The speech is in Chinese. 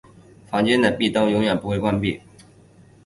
房间的壁灯永远不会关闭。